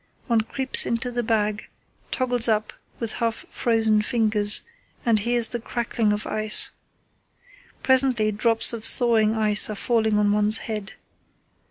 One creeps into the bag, toggles up with half frozen fingers, and hears the crackling of the ice. Presently drops of thawing ice are falling on one's head.